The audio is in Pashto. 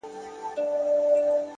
هره هڅه راتلونکی پیاوړی کوي؛